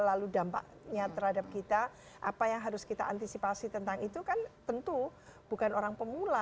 lalu dampaknya terhadap kita apa yang harus kita antisipasi tentang itu kan tentu bukan orang pemula